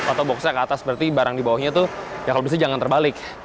atau box nya ke atas berarti barang di bawahnya itu ya kalau bisa jangan terbalik